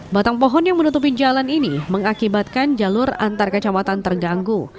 batang pohon yang menutupi jalan ini mengakibatkan jalur antar kecamatan terganggu